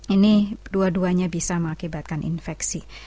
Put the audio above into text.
ini dua duanya bisa mengakibatkan infeksi